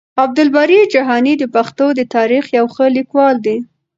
عبدالباري جهاني د پښتنو د تاريخ يو ښه ليکوال دی.